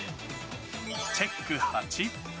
チェック８。